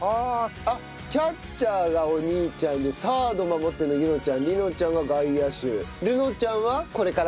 キャッチャーがお兄ちゃんでサード守ってるのが結望ちゃん琳望ちゃんが外野手遥望ちゃんはこれからかな？